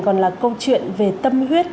còn là câu chuyện về tâm huyết